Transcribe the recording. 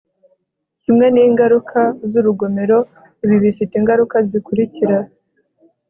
kimwe n'ingaruka z'urugomero, ibi bifite ingaruka zikurikira